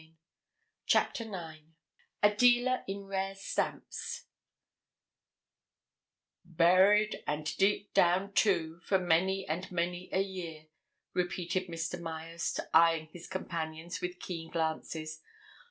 '" CHAPTER NINE THE DEALER IN RARE STAMPS "Buried—and deep down, too—for many and many a year," repeated Mr. Myerst, eyeing his companions with keen glances.